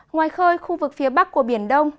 ngoài khơi khu vực phía bắc của biển đông